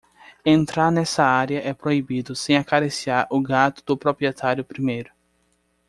Entrar nessa área é proibido sem acariciar o gato do proprietário primeiro.